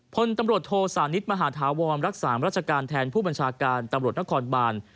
พลตำรวจโทสานิทมหาธาวรรักษาราชการแทนผู้บัญชาการตำรวจนครบาน